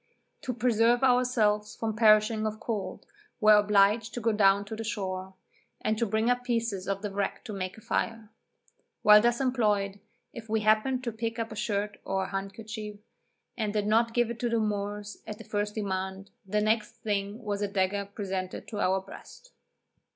To preserve ourselves from perishing of cold, were obliged to go down to the shore, and to bring up pieces of the wreck to make a fire. While thus employed, if we happened to pick up a shirt or handkerchief, and did not give it to the Moors at the first demand, the next thing was a dagger presented to our breast.